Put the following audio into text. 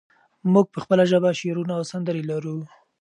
موږ په خپله ژبه شعرونه او سندرې لرو.